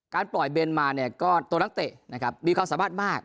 ปล่อยเบนมาเนี่ยก็ตัวนักเตะนะครับมีความสามารถมาก